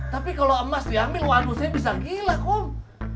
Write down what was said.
tapi kalau emas diambil wanusnya bisa gila kum